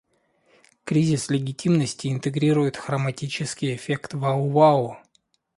Кризис легитимности интегрирует хроматический эффект "вау-вау".